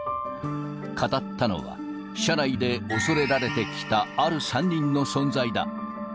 語ったのは、社内で恐れられてきた、ある３人の存在だ。